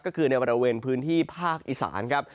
ก็คือในบริเวณพื้นที่ภาคอีสานครับ